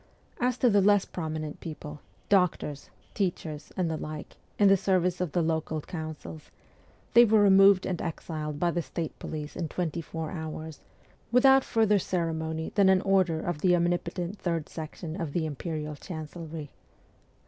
As to the less prominent people teachers, doctors, and the like, in the service of the local councils they were removed and exiled by the state police in twenty four hours, without further ceremony than an order of the omnipotent Third Section of the imperial chancelry.